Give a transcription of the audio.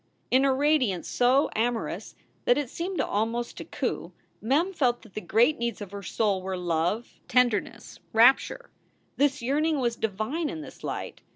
In a radiance so amorous that it seemed almost to coo, Mem felt that the great needs of her soul were love, tender ness, rapture. This yearning was divine in this light.